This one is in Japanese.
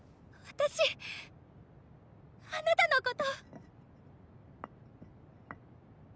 私あなたのこと。